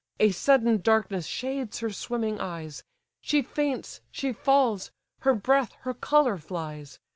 A sudden darkness shades her swimming eyes: She faints, she falls; her breath, her colour flies.